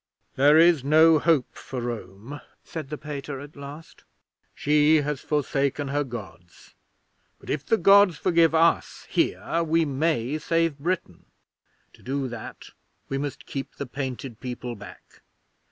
'"There is no hope for Rome," said the Pater, at last. "She has forsaken her Gods, but if the Gods forgive us here, we may save Britain. To do that, we must keep the Painted People back.